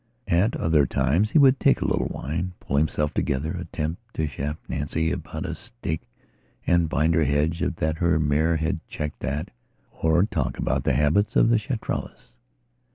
At other times he would take a little wine; pull himself together; attempt to chaff Nancy about a stake and binder hedge that her mare had checked at, or talk about the habits of the Chitralis.